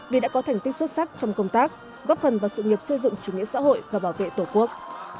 vì đã có thành tích xuất sắc trong công tác góp phần vào sự nghiệp xây dựng chủ nghĩa xã hội và bảo vệ tổ quốc